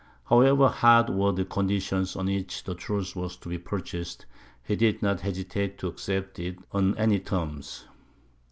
However hard were the conditions on which the truce was to be purchased, he did not hesitate to accept it on any terms.